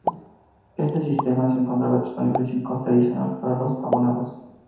Este sistema se encontraba disponible sin coste adicional para los abonados.